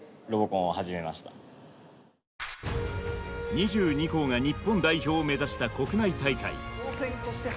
２２校が日本代表を目指した国内大会。